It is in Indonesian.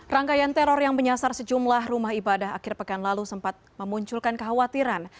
rangkaian teror yang menyasar sejumlah rumah ibadah akhir pekan lalu sempat memunculkan kekhawatiran